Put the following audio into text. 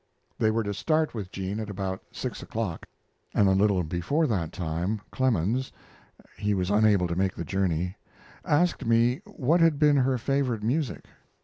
They were to start with jean at about six o'clock, and a little before that time Clemens (he was unable to make the journey) asked me what had been her favorite music.